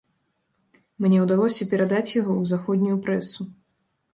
Мне ўдалося перадаць яго ў заходнюю прэсу.